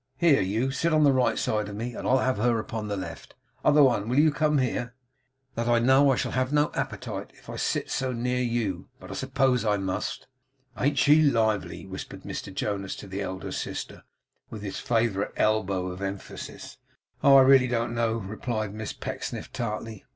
Here; you sit on the right side of me, and I'll have her upon the left. Other one, will you come here?' 'You're such a fright,' replied Mercy, 'that I know I shall have no appetite if I sit so near you; but I suppose I must.' 'An't she lively?' whispered Mr Jonas to the elder sister, with his favourite elbow emphasis. 'Oh I really don't know!' replied Miss Pecksniff, tartly.